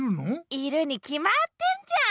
いるにきまってんじゃん。